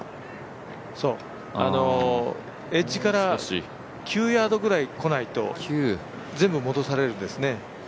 そう、エッジから９ヤードくらい来ないと全部戻されるんです。